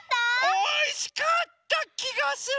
おいしかったきがする。